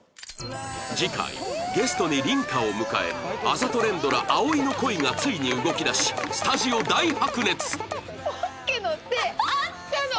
次回ゲストに梨花を迎えあざと連ドラ葵の恋がついに動き出しスタジオ大白熱！